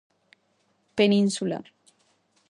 Península.